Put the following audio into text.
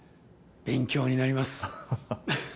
勉強になります